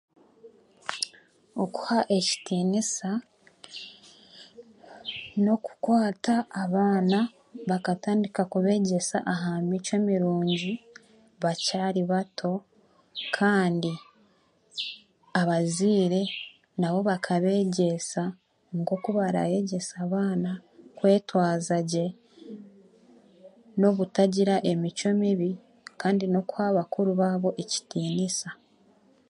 Okuha ekitiniisa n'okukwata abaana bakatandika kugebyesa aha micwe mirungi bakyari baato kandi abazeire nabo bakabegyesa nk'oku barayegyese abaana kwetwaza gye n'obutagira emicwe mibi kandi n'okuha bakuru baabo ekitiniisa.